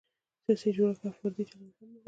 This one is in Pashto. سیاسي جوړښت او فردي چلند هم مهم دی.